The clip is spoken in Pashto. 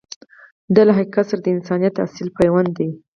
دا له حقیقت سره د انسانیت اصیل پیوند دی.